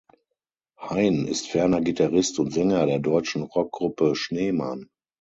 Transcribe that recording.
Hain ist ferner Gitarrist und Sänger der deutschen Rock-Gruppe „Schneemann“.